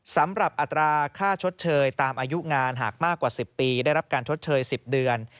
อัตราค่าชดเชยตามอายุงานหากมากกว่า๑๐ปีได้รับการชดเชย๑๐เดือน